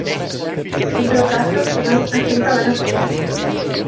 En todo caso, se non, a Xunta vaino facer.